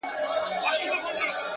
هره تجربه د فکر نوی رنګ ورکوي,